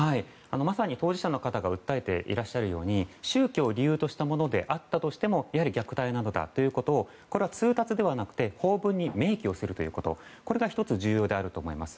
まさに当事者の方が訴えていらっしゃるように宗教を理由としたものであっても虐待なのだということを通達ではなくて法文に明記をするということこれが１つ、重要だと思います。